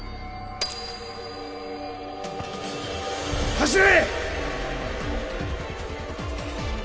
走れ！